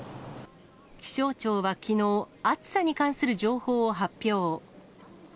気象庁はきのう、暑さに関する情報を発表。